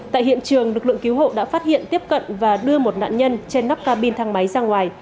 tại hiện trường lực lượng cứu hộ đã phát hiện tiếp cận và đưa một nạn nhân trên nắp cabin thang máy ra ngoài